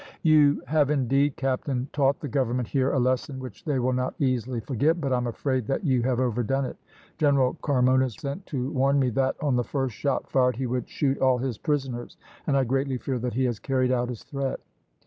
"You have indeed, captain, taught the Government here a lesson which they will not easily forget, but I'm afraid that you have overdone it. General Carmona sent to warn me that on the first shot fired he would shoot all his prisoners, and I greatly fear that he has carried out his threat."